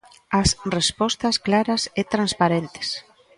As respostas claras e transparentes.